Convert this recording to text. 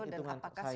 dan apakah sudah